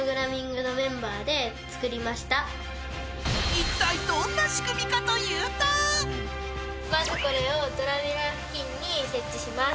一体どんな仕組みかというとまずこれをドアミラー付近に設置します